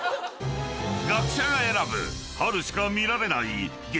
［学者が選ぶ春しか見られない激